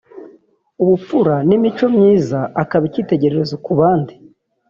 ubupfura n’imico myiza akaba icyitegererezo ku bandi